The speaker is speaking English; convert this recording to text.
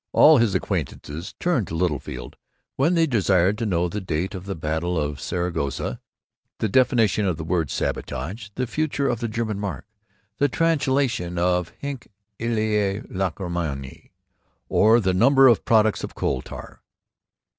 All his acquaintances turned to Littlefield when they desired to know the date of the battle of Saragossa, the definition of the word "sabotage," the future of the German mark, the translation of "hinc illæ lachrimæ" or the number of products of coal tar.